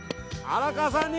荒川さんに。